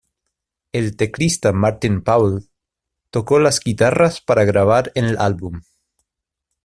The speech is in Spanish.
El teclista Martin Powell tocó las guitarras para grabar en el álbum.